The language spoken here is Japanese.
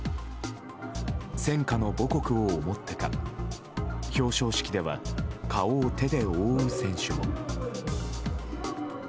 戦火の母国を思ってか表彰式では顔を手で覆う選手も。